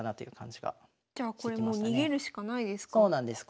じゃあこれもう逃げるしかないですか？